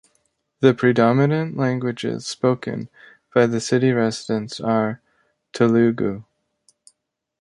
The predominant languages spoken by the city residents are, Telugu.